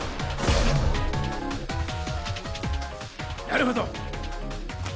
なるほど！